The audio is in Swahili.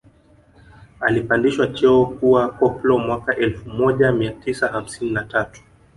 Alipandishwa cheo kuwa koplo mwaka elfu moja mia tisa hamsini na tatu